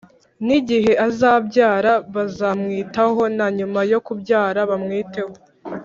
nigihe azabyara bazamwitaho na nyuma yo kubyara bamwiteho ;